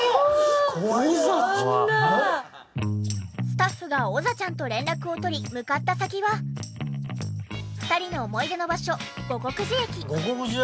スタッフがおざちゃんと連絡をとり向かった先は２人の思い出の場所護国寺駅。